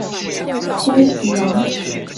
攻济阳。